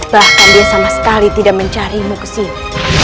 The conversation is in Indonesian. bahkan dia sama sekali tidak mencarimu ke sini